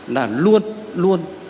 là luôn luôn